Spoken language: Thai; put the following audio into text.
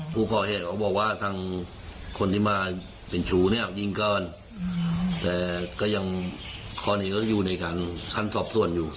ผู้ก่อเหตุเขาบอกว่าทางคนที่มาเป็นชูเนี่ยยิงก่อนแต่ก็ยังข้อนี้ก็อยู่ในขั้นสอบส่วนอยู่